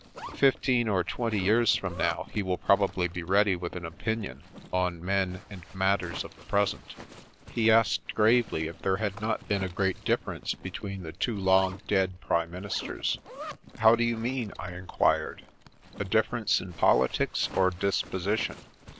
Fifteen or twenty years from now, he will probably be ready with an opinion on men and mat ters of the present. He asked gravely if there had 96 The Brat 97 not been a great difference between the two long dead Prime Ministers? " How do you mean?" I enquired. "A differ ence in politics or disposition